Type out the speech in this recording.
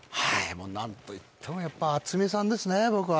もう何と言ってもやっぱ渥美さんですね